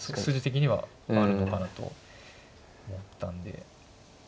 筋的にはあるのかなと思ったんで。